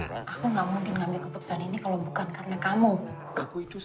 aku nggak mungkin ngambil keputusan ini kalau bukan karena kamu